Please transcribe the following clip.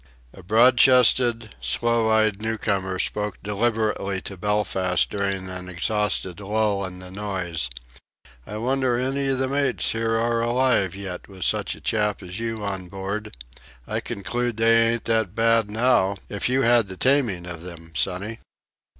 A broad chested, slow eyed newcomer spoke deliberately to Belfast during an exhausted lull in the noise: "I wonder any of the mates here are alive yet with such a chap as you on board! I concloode they ain't that bad now, if you had the taming of them, sonny."